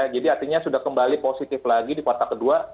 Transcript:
artinya sudah kembali positif lagi di kuartal kedua